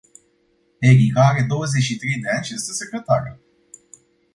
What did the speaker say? Erica are douăzeci și trei de ani și este secretară.